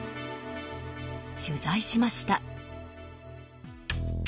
取材しました。